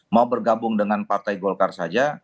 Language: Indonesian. mau bergabung dengan partai golkar saja